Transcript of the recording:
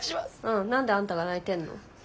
うん何であんたが泣いてんの？